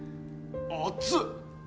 あっつ！